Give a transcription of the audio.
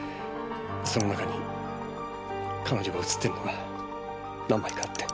その中に彼女が写っているのが何枚かあって。